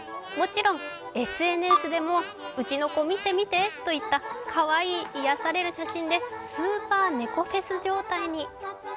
もちろんＳＮＳでも、「うちの子、みてみて！」といったかわいい癒やされる写真で、スーパー猫フェス状態に。